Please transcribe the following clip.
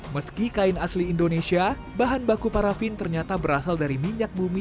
meski kain asli indonesia bahan baku parafin ternyata berasal dari minyak bumi